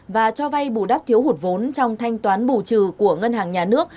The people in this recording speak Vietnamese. và cho vay bù đắp thiếu hụt vốn trong thanh toán bù trừ của ngân hàng nhà nước